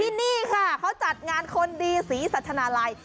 ที่นี่ค่ะเขาจัดงานคนดีศรีสัชนาลัย